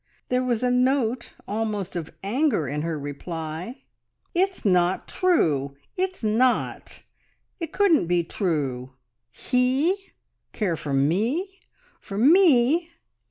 There was a note almost of anger in her reply "It's not true; it's not! It couldn't be true. ... He care for me! For Me!